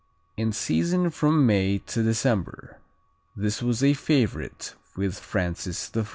In season from May to December. This was a favorite with Francis I.